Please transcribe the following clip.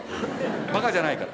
バカじゃないから。